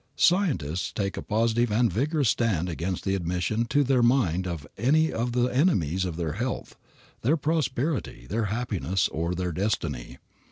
Scientists take a positive and vigorous stand against the admission to their mind of any of the enemies of their health, their prosperity, their happiness or their destiny.